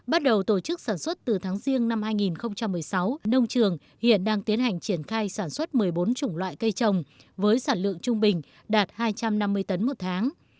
bắt đầu tổ chức sản xuất từ tháng riêng năm hai nghìn một mươi sáu nông trường hiện đang tiến hành triển khai sản xuất một mươi bốn chủng loại cây trồng với sản lượng trung bình đạt hai trăm năm mươi tấn một tháng